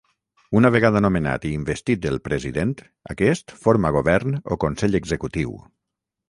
Una vegada nomenat i investit el President, aquest forma govern o consell executiu.